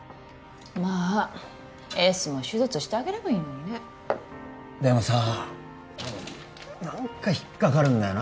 まあエースも手術してあげればいいのにねでもさ何か引っかかるんだよな